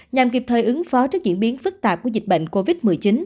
nhằm kịp thời ứng phó trước diễn biến phức tạp của dịch bệnh covid một mươi chín